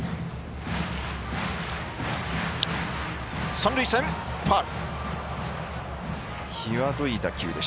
三塁線ファウル。